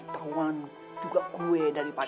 tauan juga gue daripada lo